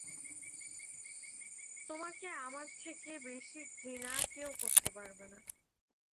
তোমাকে আমার থেকে বেশি ঘৃণা কেউ করতে পারবে না।